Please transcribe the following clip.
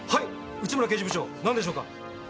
内村刑事部長なんでしょうか？